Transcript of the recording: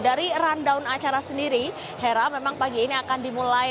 dari rundown acara sendiri hera memang pagi ini akan dimulai